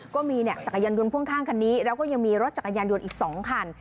ก็มีจักรยานยนต์พ่วงข้างคันนี้แล้วก็ยังมีรถจักรยานยนต์อีก๒คัน